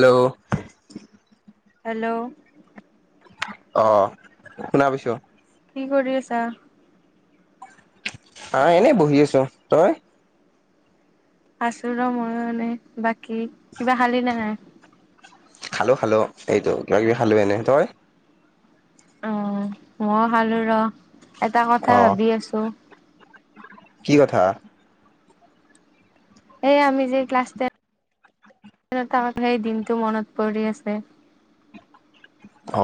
Hello. Hello. অ শুনা পাইছ? কি কৰি আছা? আহ এনেই বহি আছো তই। আছোঁ ৰহ ময়ো এনেই বাকী, কিবা খালি নে নাই? খালো খালো, এইটো কিবা কিবি খালো এনে। তই? অ ময়ো খালো ৰহ। এটা কথা অ ভাবি আছো! কি কথা? এই আমি যে ক্লাছ [unintelligible] সেই দিনটো মনত পৰি আছে।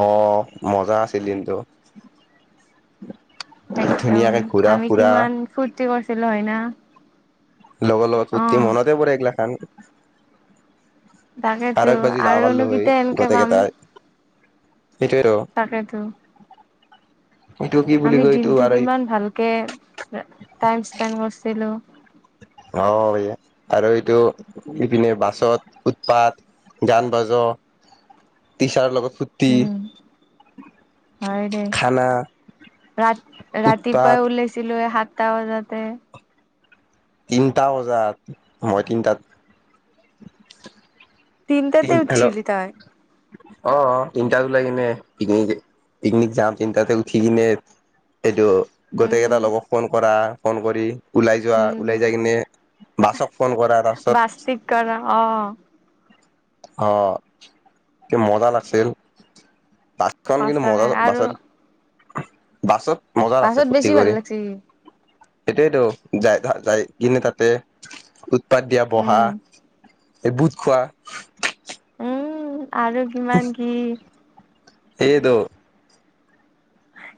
অ মজা আছিল দিনটো। একদম ধুনীয়াকে ঘুৰা আমি ফুৰা কিমান ফুট। [inaudible] কৰিছিলো হয় না। লগৰ লগত ফূ্তি অ', মনতে পৰে এইগিলা খান। আৰু তাকেতো একবাৰ যদি যাব আৰু পাৰিলো নুু হয় কিতিয়া এনকে গোটেই পাম? কেইটাই সেইটোয়েতো তাকেইতো। এইটো কি বুলি আমি কয় এইটো দিনটো আৰু কিমান ভালকে, টাইম স্পেণ্ড কৰচিলো। অ ', এয়া আৰু এইটো ইপিনে বাছত উৎপাত গান, বাজ, টিচাৰৰ লগত, ফূৰ্তি উম', হয় দে খানা ৰা উৎপাত -ৰাতিপুৱাই ওলেইছিলো সাত, টা বজাতে। তিনটা বজাত মই তিনটাত। তিনটাতে তিন হেল্ল' উঠছিলি তই? অ- অ তিনিটাত উলাইকিনে পিকনিক- -পিকনিক যাম তিনিটাতে উঠি কিনে এইটো, গোটেইকেইটা উম, লগক ফোন কৰা। ফোন কৰি। ওলাই যোৱা, উম, ওলাই যাই কিনে বাছক ফোন কৰা তাৰপিছত, বাস্তিক কৰা অ', অ ', তে মজা লাগছিল। বাছখন কিন্তু মজা, সঁচাকে আৰু বাছত, বাছত, মজা বাছত বেছি ভাল লাগছি। সটোৱেইতো যাই, যাই কিনে তাতে, উৎপাদ দিয়া বহা। উম, এই বুত খোৱা, উম, আৰু কিমান কি, সেয়েটো।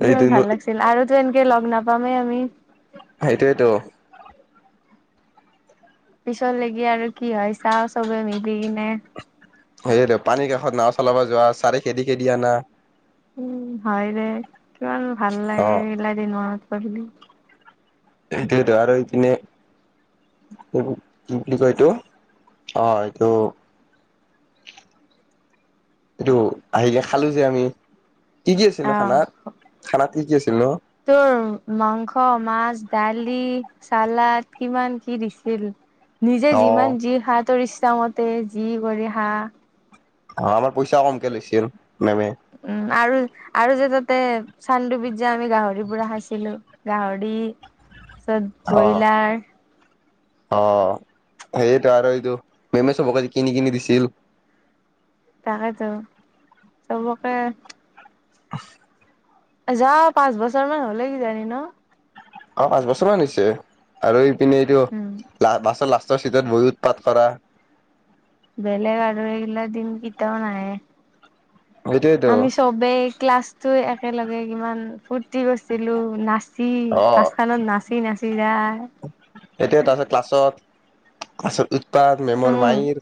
কিমান ভাল লাগিছিল, আৰু, তো, এনকে লগ নাপামেই আমি। সেইটোৱেইতো। পিছতলেগি আৰু কি হয় চাও চবে মিলি কিনে। সেই পানীৰ কাষত নাৱ চলাব যোৱা চাৰে খেদি- খেদি আনা। উম', হয় দে, কিমান ভাল অ লাগি -লাগিল এইগলা দিনত। [unintelligible] সেইটোৱেটো আৰু এইপনে কি বুলি কয় এইটো অ', এইটো, এইটো আহিলে খালো যে আমি, কি কি আছিল ন ', খানাত, অ'। থানাত? কি কি আছিল ন',? তোৰ মাংস- মাছ- দালি- চালাড কিমান কি দিছিল। নিজে অ যিমান যি খা, তোৰ ইচ্, এই যি কৰি হাঁ আমাৰ পইচাঁ কমকৈ লৈছিল মেমে উম আৰু আৰু যে তাতে চান্দুবীত যে আমি গাহৰি পুৰা খাইছিলো গাহৰি তাৰপাছত ব্ৰইলাৰ অঁ সেইটো আৰু এইটো মেমে চবকে কিনি কিনি দিছিল তাকেটো চবকে [inaudible] যোৱা পাঁচ বছৰ মান হলে কি জানি ন অঁ পাঁচ বছৰমান হৈছে আৰু এই কিনে এইটো উম লা বাছত লাষ্ট চিটত বহি উৎপাত কৰা বেলেগ আৰু এইবিলাক দিন কেতিয়াঁও নাহে সেইটোয়েতো আমি চবেই ক্লাছটো এক একেলগে কিমান ফুৰ্তি ৰ্তি কৰিছিলো নাচি অ বাছখনত নাচি নাচি যায় আচল উৎপাদত মেমৰ উম মায়েক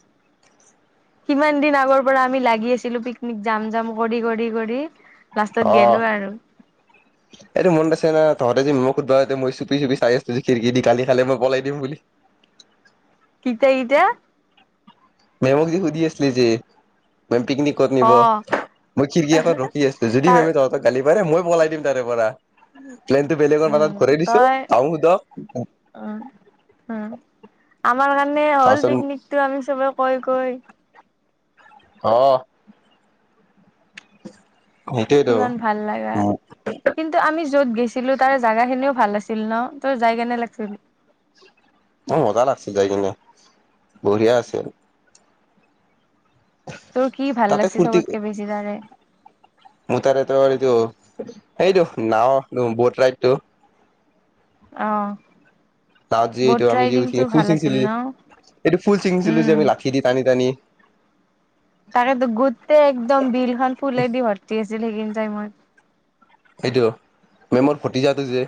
কিমান দিন আগৰ পৰা আমি লাগি আছিলো পিকনিক যাম যাম কৰি কৰি কৰি, লাষ্টত গেলো অঁ আৰু এইটো মন পাইছে ন তহঁত ততে মোক সোধুতে মই জুমি জুমি চাই আছো যে খিৰিকী দী গালিখালে মই পলাই দিম বুলি এতিয়া মেমক যি সুধি আছিলে যে পিকনিকত ক'ত নিব অ মই খিৰিকী এটাত ৰখি আছো যদি তাৰ মেমে তহতঁক গালি পাৰে মই পলাই তাৰে পৰা প্লেনটো বেলেগৰ মাজত উম ঘূৰাই দিছো তই আহো সোধক উম উম আমাৰ কাৰণে হ'ল তাৰপিছত পিকনিক টো আমি চবে কৈ কৈ অহঁ কিমান ভাল লাগে কিন্তু আমি য'ত গেছো ছিলো তাৰ জাগা খিনিওঁ ভাল আছিল ন তোৰ যাই কেনেকুৱা লাগিছিল মোৰ মজা লাগছে যাই কিনে বঢ়িয়া আছিল তোৰ কি ভাল তাতে লাগিছে ফূৰ্তি চবতকৈ বেছি তাৰে মোৰ তাৰে তোৰ এইটো এইটো নাওঁ বট ৰাইডটো অঁ। তাত যে এইটো আমি যি উঠি ফুল চিঙছিলো। ন? এইটো ফুল চিঙিছিলো যে উম। আমি লাঠি দি টানি টানি। তাকেতো গোটেই একদম বিলখন ফুলে দি ভৰ্তি ম [unintelligible] সেইটো, মোৰ ফতিজাতো যে।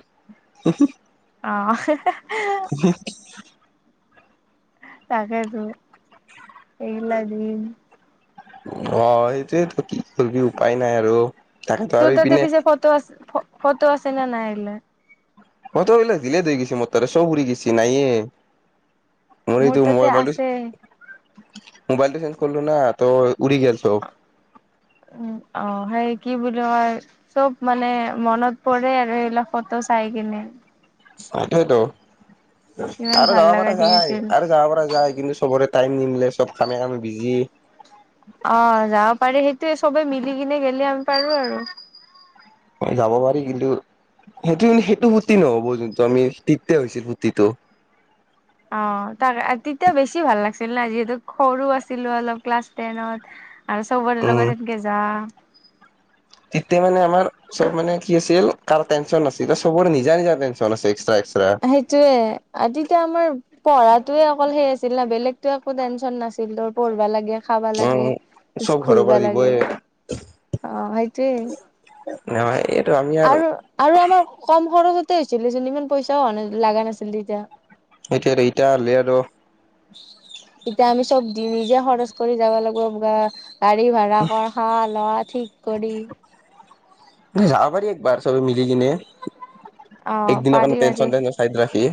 অ, [unintelligible] তাকেতো [unintelligible] অ, সেইটোৱেইতো কি কৰিবি উপায় নাই আৰু। তাকেতো আৰু তোৰ তাতে ইপিনে পিছে ফটো আছ ফ ফটো আছে নে [unintelligible] [unintelligible] ডিলেট হৈ গৈছি মোৰ তাৰে চব উৰি গৈছি, নাইয়ে। এইটো মোৰ তাতে মোবাইলটো আছে। মোবাইলটো চেঞ্জ কৰলো ন, তো উৰি গেল চব। উম, অ' সেই কি বুলি কয়, চব মানে মনত পৰে আৰু এই ল ফটো চাই কিনে। সেইটোৱেইতো। কিমান আৰু ভাল যাবা লগা পৰা দিন যায় আছিল। আৰু যাবা পৰা যায় কিন্তু চবৰে টাইম নিমিলে, চব কামে কামে বিজি। অ, যাব পাৰি সেইটোৱে চবে মিলি কিনে গেলি আ পাৰো আৰু। যাব পাৰি কিন্তু, সেইটো সেইটো ফূৰ্তি ন'হব যোনটো আমি তিততে হৈছিল ফূৰ্তিতো। অ, তাক তেতিয়া বেছি ভাল লাগিছিল না আজ সৰু আছিলো অলপ ক্লাছ টেনত। আৰু চবৰে উম লগত সেনকে যা। তেতিয়া মানে আমাৰ, চব মানে কি আছিল, কাৰ টেনচন নাছিল চবৰে নিজা নিজা টেনচন আছে এক্সট্ৰা এ সেইটোৱেই। তেয়তা আমাৰ, পঢ়াতোৱে অকল সেই আছ [unintelligible] না বেলেগতো একো টেনচন নাছ [unintelligible] পঢ়বা লাগে, খাবা উম লাগে, চব ঘৰৰ ঘূৰবা পৰা লাগে। দিবই অ, সেইটোৱেই। এই [unintelligible] আৰু আৰু আমাৰ কম খৰচত তে হৈছিল দিচোন ইমান পইচাও লগা নাছিল তেয়তা। সেইটোৱেইতো ইতা হ'লে আৰু। ইতা আমি চব দি নিজে খৰচ কৰি যাবা লাগবো বা গাড়ী ভাড়া কৰ খাৱা লোৱা ঠিক কৰি। যাব পাৰি একবাৰ চবে মিলি কিনে অ একদিনৰ পাৰি কাৰণে পাৰি টেনচন চেনচন চাইদত ৰাখি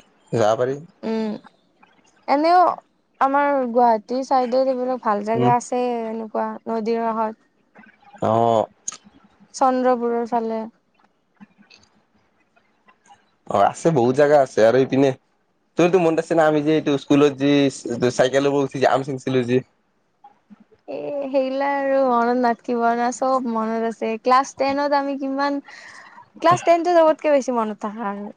যাৱ পাৰি উম এনেও আমাৰ গুৱাহা চাইডত এইবিলাক ভাল উম জেগা আছে এনেকুৱা নদীৰ কাষত অ চন্দ্ৰপুৰৰ ফালে অ আছে বহুত জেগা আছে আৰু ইপিনে তোৰতো মনত আছে না আমি যে এইটো স্কুলত যি চাইকেলৰ ওপৰত উঠি আম চিঙিছিলো যে এ সেগিলা আৰু মনত চব মনত আছে ক্লাছ টেনত আমি কিমান ক্লাছ টেনটো চবতকে বেছি মনত থাকা আৰু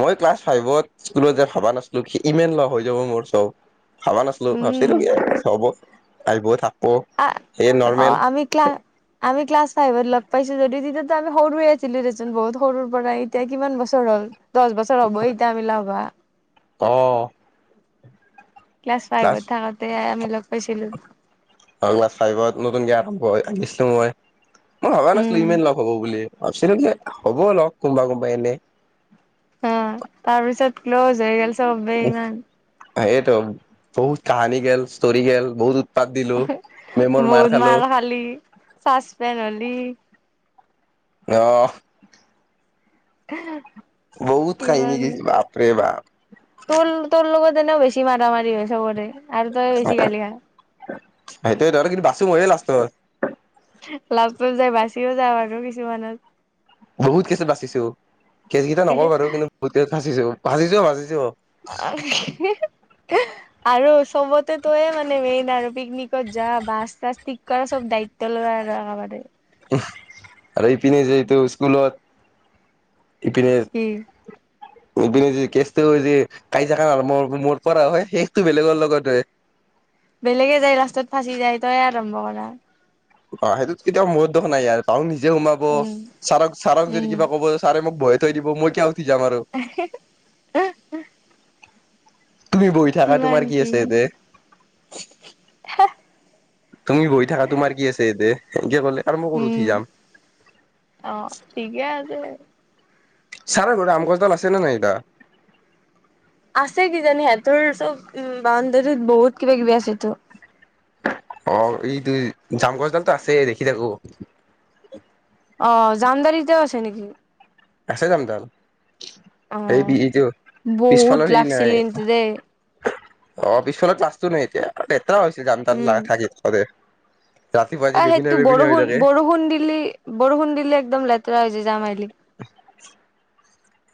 মই ক্লাছ ফাইভত স্কুলত যে ভবা নাছিলো সি ইমান লগ হৈ যাব মোৰ চব ভাবা নাছিলো উম ভাবছিলো কি আৰু হ'ব আইব থাক অ আমি ক্লা আমি ক্লছ ফাইভত অল পাইছোঁ যদি তেতিয়াতো আমি সৰুয়ে আছিলো দেচোন বহুত সৰুৰ পৰাই এতিয়া কিমান বছৰ হ'ল দচ বছৰ হ'বই এতিয়া আমি লগ হোৱা অ ক্লাছ ফাইভত থাকোতে আমি লগ পাইছিলো অ ক্লাছ ফাইভত নতুনকে আৰম্ভ আহিছিলো মই মই ভবা নাছিলো উম। ইমান লগ হ'ব বুলি ভাবছিলো কি হ'ব অলপ কোনোবা কোনোবা এনে অ তাৰ পিছত ক্লজ হৈ চবেই ইমান এইটো বহুত কাহানী গেল ষ্টৰি গেল বহুত উৎপাত দিলো মেমৰ বহুত খালো মাৰ খালি চাচপেন হল দি অহ এহে বহুত খাই নেকি বাপৰে বাপ তেনে বেচি মাৰা মাৰি হয় চবৰে আৰু তই বেছি গালি খা ময়ে লাষ্টত লাষ্টত যায় বাছিও যাওঁ আৰু কিছুমানত বহুত কেচ বাচিছো কেচ কেইটা নক বাৰু কিন্তু বহুত কে ভাজিছো ভাজিছ ভাজিছো [unintelligible] আৰু চবতে তয়ে মানে মেইন আৰু পিকনিকত যা বাছ চাছ ঠিক কৰা চব দায়িত্ব লোৱা আৰু একেবাৰে আৰু ইপিনে যিহেতু স্কুলত ইপনে কি ইপিনে যে কেচটো যে কাইজাকা মোৰ পৰা হয় শেষটো বেলেগৰ লগত হয়। বেলেগে যায় ৰাস্তাত ফাঁচি যায় তয় আৰম্ভ কৰা অ সেইটোত কেতিয়াও মোৰ দুখ নাই আৰু পাওঁ নিকি? যে সোমাব উম ছাৰক ছাৰক যদি উম কিবা ক'ব ছাৰে মোক? [unintelligible] [unintelligible] তুমি বহি থাকা তোমাৰ কি আছে এতে তুমি বহি থাকা তোমাৰ কি আছে এ দে সেনকে ক'লে আৰু মই ক'ত উঠি উম যাম অ ঠিকে আছে। চাৰৰ ঘৰত আম গছডাল আছে নে নাইত? আছে কি জানি সিহঁ তোৰ চব উ বাউণ্ডৰীত বহুত কিবা কিবি আছে তো। অ এইটো জাম গছডাল আছে দেখি থাকো। অ জামদাৰিতে আছে নেকি? আছে যাম তাল? আহ বহুত পিছফালৰ হেৰি লাগছিল নাই কিন্তু দে অ পিছফালত ক্লাছটো নাই এতিয়া ছিল যাম তাৰ থাকি ক আহ সেইটো বৰষুণ বৰষুণ দিলি বৰষুণ দিলি একদম লেতেৰা হৈ যায়। [unintelligible]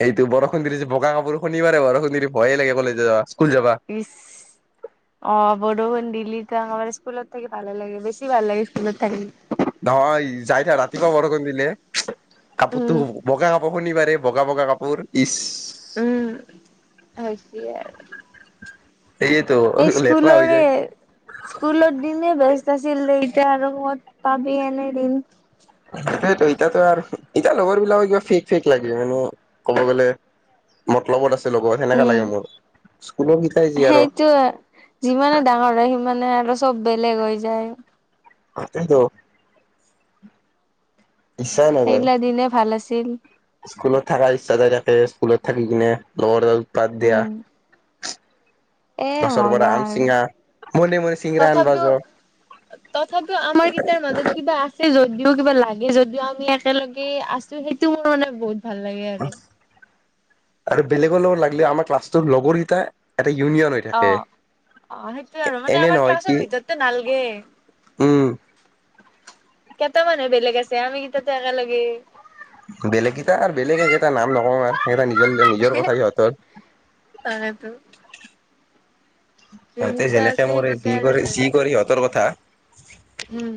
এইটো বৰষুণ ধৰি যে বগা কাপোৰ শুনিবাৰে বৰষুণ ধৰি ভয়ে লাগে কলেজে যা? ইছ অ- বৰষুণ দিলি ত কাবাৰ স্কুলত থাকি ভাল লাগে বেচি ভাল লাগে স্কুলত থাকি। নহয় যাই থা ৰাতিপুৱা বৰষুণ দিলে কাপোৰতো উম। বগা কাপোৰ শুনিবাৰে বগা বগা কাপোৰ ইচ? উম হৈছে আৰু সেয়েতো এই লেতেৰা হৈ স্কুলৰে যায় স্কুলৰ দিনে বেছ ছিল দেতিয়া আৰু মত পাবি এনেদিন সেইটোটো ইতাতো আৰু ইতাৰ লগৰ বিলাকও কিবা ফেক ফেক লাগে মানে ক'ব গলে মতলবত আছে। লগত সেনেকা লাগে মোৰ। স্কুলৰ কেইটাই যি আৰু সেইটো যিমানে ডাঙৰ হয় সিমানে আৰু চব বেলেগ হৈ যায়। তাকেটো ইচ্ছা নাযায়। সেইগিলা দিনে ভাল আছিল স্কুলত থকাৰ ইচ্ছা যায় থা সে স্কুলত থাকি কিনে লগৰ এগাল পাদ দিয়া এ গছৰ পৰা মজা আম আৰু। চিঙা মনে মনে চিঙৰা আনবা তথাপিও যোৱা তথাপিও আমাৰ কেইটাৰ মাজত কিবা আছে যদি যদিও কিবা লাগে যদিও আমি একেলগে আছো সেইটো মোৰ মানে বহুত ভাল লাগে আৰু। আৰু বেলেগৰ লগত লাগিলে আমাৰ ক্লাছটোৰ লগৰকেইটা এটা ইউনিয়ন হৈ অ থাকে অ সেইটোৱে আৰু। মানে এনে আমাৰ নহয় কি ক্লাছৰ ভিতৰততে নালগে। উম কেইটা মানহে বেলেগ আছে আমি কেইটাতো একেলগে। বেলেগ কেইটা আৰু বেলেগ সেইকেইটা নাম নকও আৰু সেইটা নিজৰ নিজৰ কথা সিহতৰ। তাকেতো সিহঁতে যোনকেইটা যেনেকে আছে মৰে সেইকেইটা যি আৰু কৰে যি আছে কৰি সিহঁতৰ কথা। উম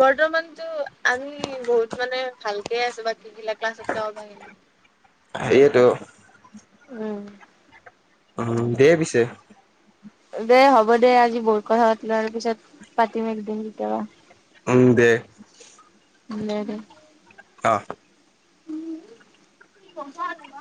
বৰ্তমানতো আমি বহুত মানে ভালকে আছো বাকীগিলা ক্লাছতকে আমাখিনি সেইয়েটো। উম উম, দে পিছে। দে হ'ব দে আজি বহুত কথা পতিলো আৰু পিছত পাতিম একদিন কেতিয়াবা। উম দে। অ দে, দে। অহ। উম কি গম প ন।